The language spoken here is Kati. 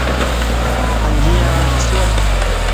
انجی یعݩسہ